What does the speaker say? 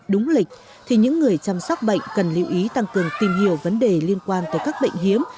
đúng lịch thì những người chăm sóc bệnh cần lưu ý tăng cường tìm hiểu vấn đề liên quan tới các bệnh hiếm